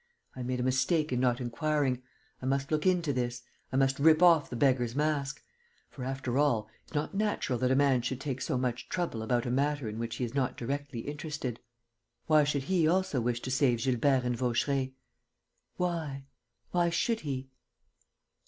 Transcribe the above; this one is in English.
I made a mistake in not inquiring.... I must look into this.... I must rip off the beggar's mask. For, after all, it's not natural that a man should take so much trouble about a matter in which he is not directly interested. Why should he also wish to save Gilbert and Vaucheray? Why? Why should he?..."